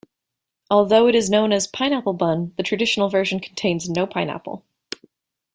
Although it is known as "pineapple bun", the traditional version contains no pineapple.